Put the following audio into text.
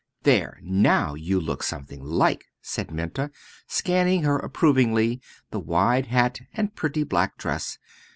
"There now you look something like!" said Minta, scanning her approvingly the wide hat and pretty black dress.